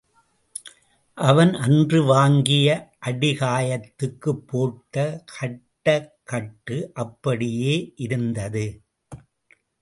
அவன் அன்று வாங்கிய அடிகாயத்துக்குப் போட்ட கட்ட கட்டு அப்படியே இருந்தது.